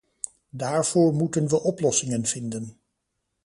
Daarvoor moeten we oplossingen vinden.